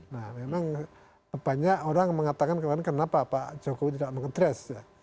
nah memang banyak orang mengatakan kenapa pak joko tidak meng dress ya